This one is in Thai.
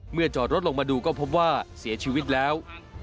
จอดรถลงมาดูก็พบว่าเสียชีวิตแล้ว